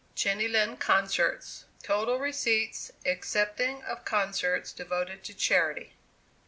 JENNY LIND CONCERTS. TOTAL RECEIPTS, EXCEPTING OF CONCERTS DEVOTED TO CHARITY.